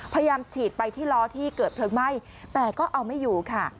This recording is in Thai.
พยายามฉีดไปที่ล้อที่เกิดเพลิงไหม้แต่ก็เอาไม่อยู่ค่ะ